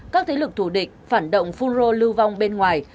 các thế lực thù địch phản động phun rô lưu vong bên ngoài